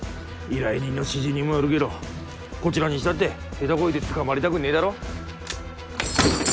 依頼人の指示にもあるけどこちらにしたって下手こいて捕まりたくねぇだろ。